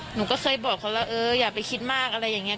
หนูก็เคยบอกเขาแล้วเอออย่าไปคิดมากอะไรอย่างนี้